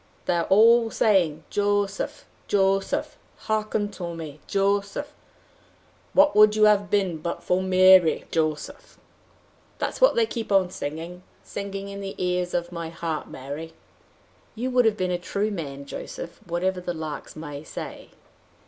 They are all saying: 'Jo seph! Jo seph! Hearkentome, Joseph! Whatwouldyouhavebeenbutfor Ma ry, Jo seph?' That's what they keep on singing, singing in the ears of my heart, Mary!" "You would have been a true man, Joseph, whatever the larks may say."